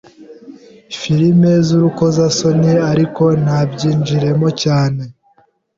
filime z’urukozasoni ariko ntabyinjiremo cyane